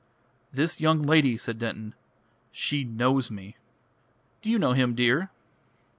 "This young lady," said Denton, "she knows me." "Do you know him, dear?"